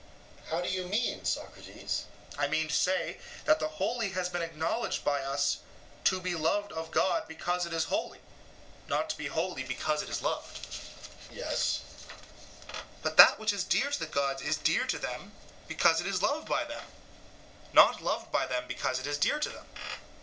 EUTHYPHRO: How do you mean, Socrates? SOCRATES: I mean to say that the holy has been acknowledged by us to be loved of God because it is holy, not to be holy because it is loved. EUTHYPHRO: Yes. SOCRATES: But that which is dear to the gods is dear to them because it is loved by them, not loved by them because it is dear to them.